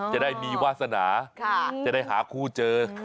จะได้มีวาสนาจะได้หาคู่เจอ